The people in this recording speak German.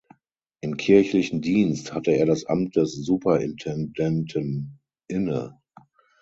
Im kirchlichen Dienst hatte er das Amt des Superintendenten inne.